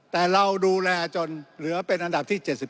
แต่เราดูแลจนเหลือเป็นอันดับที่๗๒